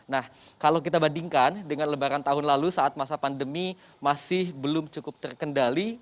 nah kalau kita bandingkan dengan lebaran tahun lalu saat masa pandemi masih belum cukup terkendali